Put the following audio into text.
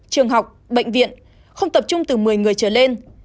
trường học bệnh viện không tập trung từ một mươi người trở lên